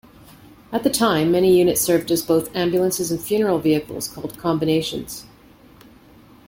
At the time, many units served as both ambulances and funeral vehicles, called combinations.